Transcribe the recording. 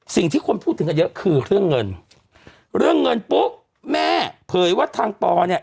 สิ่งที่คนพูดถึงกันเยอะคือเรื่องเงินเรื่องเงินปุ๊บแม่เผยว่าทางปอเนี่ย